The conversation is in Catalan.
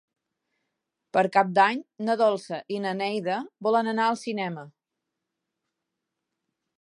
Per Cap d'Any na Dolça i na Neida volen anar al cinema.